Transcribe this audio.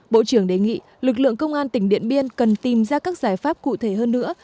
bộ trưởng đề nghị lực lượng công an tỉnh điện biên cần tìm ra các giải pháp cụ thể hơn nữa